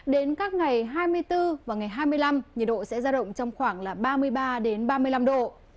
đến các ngày hai mươi bốn và ngày hai mươi năm nhiệt độ sẽ ra động trong khoảng ba mươi ba ba mươi năm độ